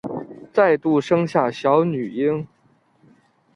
再度生下小女婴